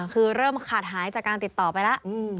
คือเริ่มขาดหายจากการติดต่อไปแล้ว